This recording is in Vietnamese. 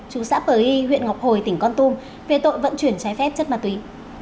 chủ xã phở y huyện ngọc hồi tỉnh con tùm về tội vận chuyển trái phép chất ma túy